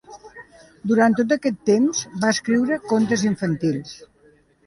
Durant tot aquest temps, va escriure contes infantils.